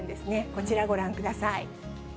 こちらご覧ください。